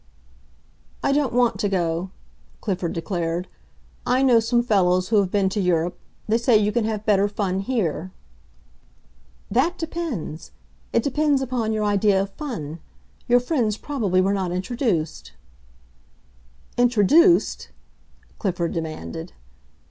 "I don't want to go," Clifford declared. "I know some fellows who have been to Europe. They say you can have better fun here." "That depends. It depends upon your idea of fun. Your friends probably were not introduced." "Introduced?" Clifford demanded.